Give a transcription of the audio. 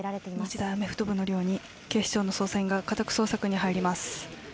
日大アメフト部に警視庁の捜査員が家宅捜索に入ります。